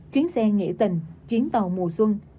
chuyến xe nghệ tình chuyến tàu mùa xuân